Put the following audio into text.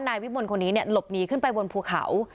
นายวิมลคนนี้หลบหนีขึ้นไปบนภูเขา